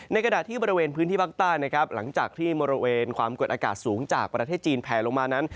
ขณะที่บริเวณพื้นที่ภาคใต้นะครับหลังจากที่บริเวณความกดอากาศสูงจากประเทศจีนแผลลงมานั้น